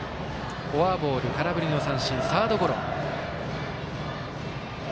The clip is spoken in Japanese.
フォアボール、空振りの三振サードゴロ。